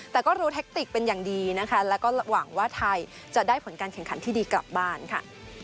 แต่ก็รู้เทคติกเป็นอย่างดีนะคะแล้วก็หวังว่าไทยจะได้ผลการแข่งขันที่ดีกลับบ้านค่ะ